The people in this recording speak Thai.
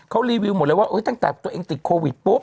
เขารีวิวหมดเลยว่าตั้งแต่ตัวเองติดโควิดปุ๊บ